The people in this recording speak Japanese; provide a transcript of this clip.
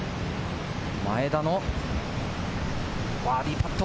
前田のバーディーパット。